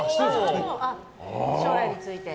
将来について。